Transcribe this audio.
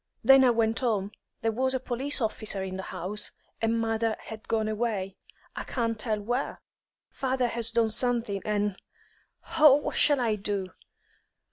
Then I went home. There was a police officer in the house, and mother had gone away, I can't tell where. Father has done something, and Oh, what shall I do?